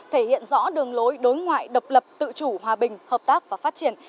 thể hiện rõ đường lối đối ngoại độc lập tự chủ hòa bình hợp tác và phát triển